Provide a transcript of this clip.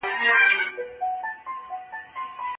ملا بانګ یو ډېر تت غږ په خپلو غوږونو واورېد.